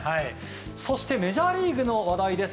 メジャーリーグの話題です。